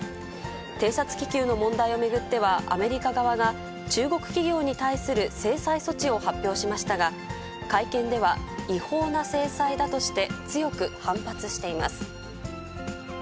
偵察気球の問題を巡っては、アメリカ側が、中国企業に対する制裁措置を発表しましたが、会見では違法な制裁だとして強く反発しています。